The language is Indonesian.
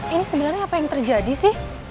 ini sebenarnya apa yang terjadi sih